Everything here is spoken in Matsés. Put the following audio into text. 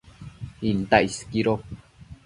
Intac isquido